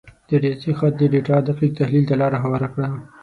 د ریاضي خط د ډیټا دقیق تحلیل ته لار هواره کړه.